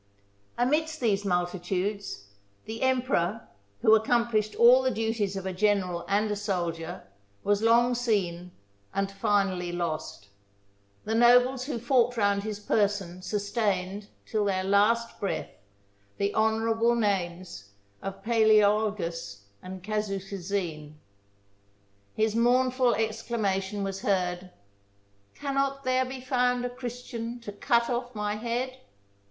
Amidst these multitudes the emperor, who accomplished all the duties of a general and a soldier, was long seen and finally lost. The nobles who fought round his person sustained, till their last breath, the honourable names of Palaeologus and Cantacuzene: his mournful exclamation was heard, " Cannot there be found a Christian to cut off my head